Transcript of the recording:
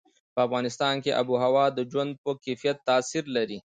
په افغانستان کې آب وهوا د ژوند په کیفیت تاثیر لري.